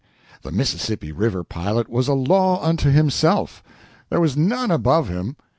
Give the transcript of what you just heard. The Mississippi River pilot was a law unto himself there was none above him.